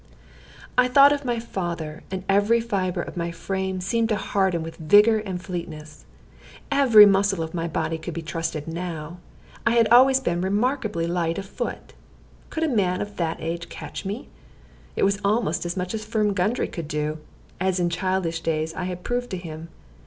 I thought of my father, and each fibre of my frame seemed to harden with vigor and fleetness. Every muscle of my body could be trusted now. I had always been remarkably light of foot. Could a man of that age catch me? It was almost as much as Firm Gundry could do, as in childish days I had proved to him.